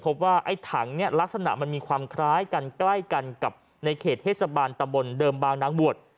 พบว่าไอ้ถังเนี่ยลักษณะมันมีความคล้ายกันใกล้กันกับในเขตเทศบาลตะบนเดิมบางนางบวช